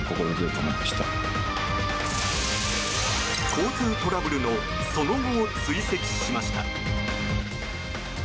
交通トラブルのその後を追跡しました。